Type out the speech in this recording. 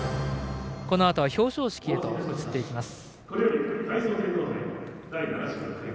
このあとは表彰式へと移っていきます。